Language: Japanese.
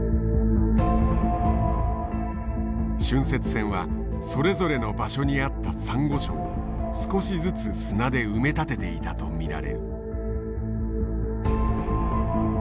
浚渫船はそれぞれの場所にあったサンゴ礁を少しずつ砂で埋め立てていたと見られる。